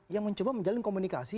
yang mencoba menjalin komunikasi